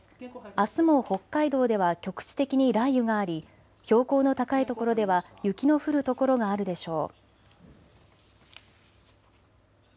あすも北海道では局地的に雷雨があり標高の高い所では雪の降る所があるでしょう。